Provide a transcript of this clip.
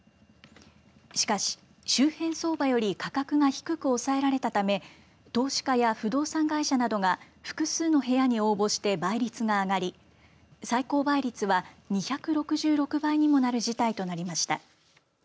しかし周辺相場より価格が低く抑えられたため投資家や不動産会社などが複数の部屋に応募して倍率が上がり最高倍率は２６６倍にもなる事態となりました。